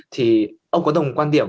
thì ông có đồng quan điểm